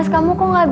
aku mau ke rumah